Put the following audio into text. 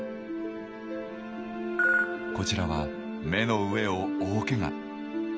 こちらは目の上を大ケガ。